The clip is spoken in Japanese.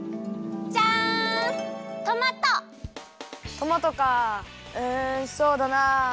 トマトかうんそうだなあ。